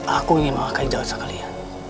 aku ingin mengakai jawab sekalian